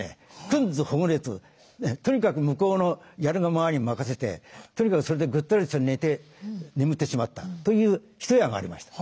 くんずほぐれつとにかく向こうのやるがままに任せてとにかくそれでぐったりと寝て眠ってしまったという一夜がありました。